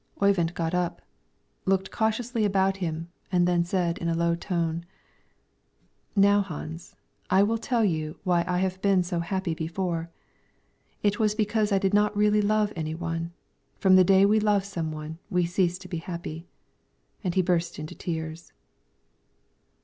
Oyvind got up, looked cautiously about him and said in a low tone, "Now Hans, I will tell you why I have been so happy before: it was because I did not really love any one; from the day we love some one, we cease to be happy," and he burst into tears.